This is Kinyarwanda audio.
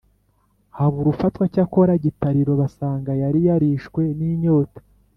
habura ufatwa cyakora gitariro basanga yari yarishwe n'inyota.